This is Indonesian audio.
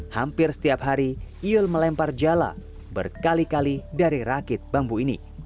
hampir setiap hari iul melempar jala berkali kali dari rakit bambu ini